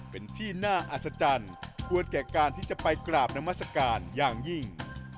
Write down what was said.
เป็นที่น่าอัศจรรย์ควรแก่การที่จะไปกราบนามัศกาลอย่างยิ่ง